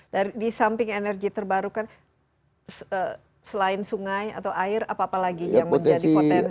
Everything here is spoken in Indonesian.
dari disamping energi terbarukan selain sungai atau air apa apa lagi yang menjadi potensi dari alam